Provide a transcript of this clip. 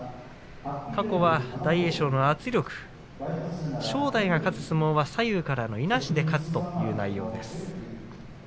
過去は大栄翔の圧力正代が勝つ相撲は左右からのいなしで勝つという内容です。